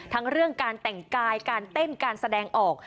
ทั้งเรื่องการแต่งกายการเต้นการแสดงออก